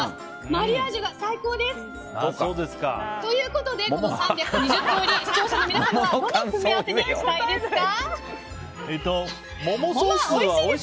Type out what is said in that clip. マリアージュが最高です！ということで、３２０通り視聴者の皆さんはどの組み合わせにしたいですか？